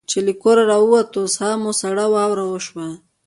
چې له کوره را ووتو ساه مو سړه واوره شوه.